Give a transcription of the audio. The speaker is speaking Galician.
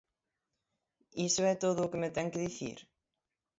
Iso é todo o que me ten que dicir?